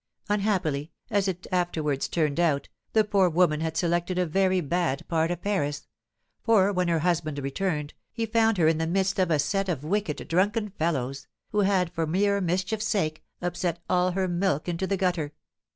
Unhappily, as it afterwards turned out, the poor woman had selected a very bad part of Paris; for, when her husband returned, he found her in the midst of a set of wicked, drunken fellows, who had, for mere mischief's sake, upset all her milk into the gutter.